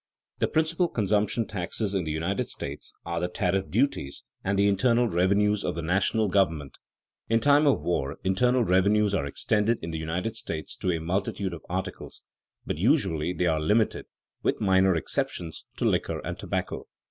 The principal consumption taxes in the United States are the tariff duties and the internal revenues of the national government. In time of war, internal revenues are extended in the United States to a multitude of articles, but usually they are limited (with minor exceptions) to liquor and tobacco.